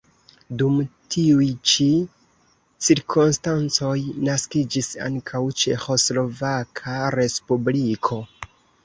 Dum tiuj ĉi cirkonstancoj naskiĝis ankaŭ Ĉeĥoslovaka respubliko.